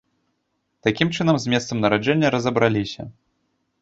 Такім чынам, з месцам нараджэння разабраліся.